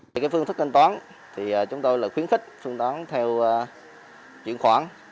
về phương thức thanh toán chúng tôi khuyến khích phương toán theo chuyển khoản